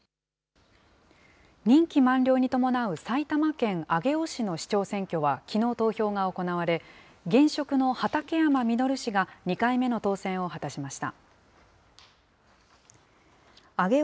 任期満了に伴う埼玉県上尾市の市長選挙はきのう投票が行われ、現職の畠山稔氏が２回目の当選を果たしました。